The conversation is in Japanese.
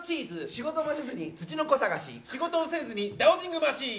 仕事もせずにツチノコ探し、仕事もせずにラウジングマシン。